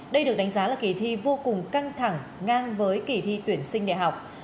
đây được đánh giá là kỳ thi vô cùng căng thẳng ngang với kỳ thi tuyển sinh đại học